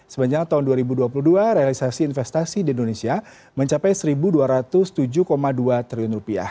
sepanjang tahun dua ribu dua puluh dua realisasi investasi di indonesia mencapai rp satu dua ratus tujuh dua triliun